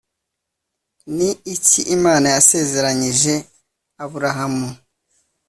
Ni iki Imana yasezeranyije Aburahamu